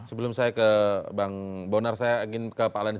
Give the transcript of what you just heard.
sebelum saya ke bang bonar saya ingin ke pak lenis